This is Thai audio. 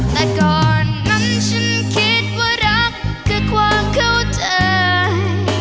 แต่ก่อนนั้นฉันคิดว่ารักคือความเข้าใจ